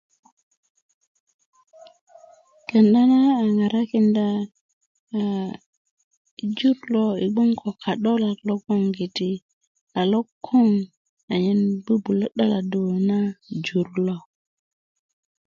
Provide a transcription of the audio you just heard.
kenda na a ŋarakinda a jur lo i gboŋ ko ka'dolak logoŋgiti a lokoŋ anyen bubulö 'doladu na jur lo